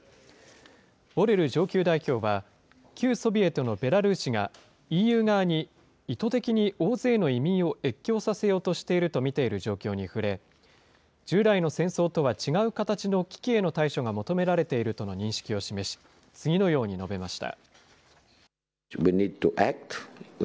ボレル上級代表は、旧ソビエトのベラルーシが、ＥＵ側に意図的に大勢の移民を越境させようとしていると見ている状況に触れ、従来の戦争とは違う形の危機への対処が求められているとの認識を示し、次のように述べました。